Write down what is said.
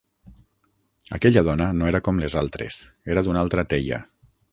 Aquella dona no era com les altres; era d'una altra teia.